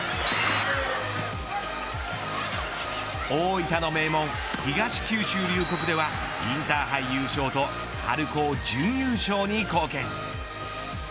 大分の名門、東九州龍谷ではインターハイ優勝と春高準優勝に貢献。